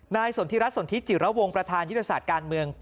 สนทิรัฐสนทิจิระวงประธานยุทธศาสตร์การเมือง